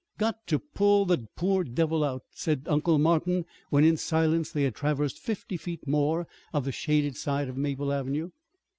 "Got to pull the poor devil out," said Uncle Martin, when in silence they had traversed fifty feet more of the shaded side of Maple Avenue.